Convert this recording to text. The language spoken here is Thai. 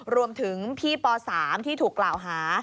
รวมถึงพี่ป๓ที่ถูกกล่าวหา